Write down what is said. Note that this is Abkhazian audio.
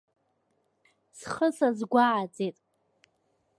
Схы сазгәааӡеит.